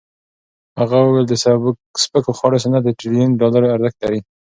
هغه وویل د سپکو خوړو صنعت د ټریلیون ډالرو ارزښت لري.